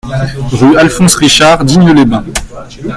Rue Alphonse Richard, Digne-les-Bains